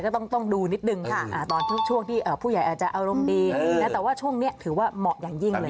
ก็ต้องดูนิดนึงค่ะตอนทุกช่วงที่ผู้ใหญ่อาจจะอารมณ์ดีแต่ว่าช่วงนี้ถือว่าเหมาะอย่างยิ่งเลย